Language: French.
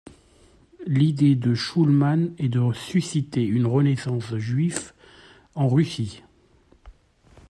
L'idée de Schulman est de susciter une renaissance juive en Russie.